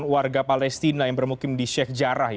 warga palestina yang bermukim di sheikh jarah